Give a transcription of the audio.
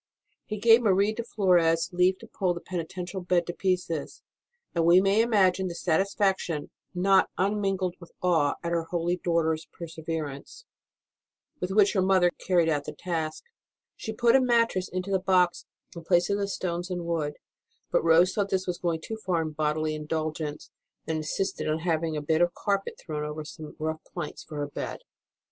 He gave Marie de Flores leave to pull the penitential bed to pieces, and we may imagine the satisfaction, not unmingled with awe at her holy daughter s perseverance, with which her mother carried out the task. She put a mattress into the box in place of the stones and wood ; but Rose thought this was going too far in bodily indulgence, and insisted on having a bit of carpet thrown over some rough planks for her bed.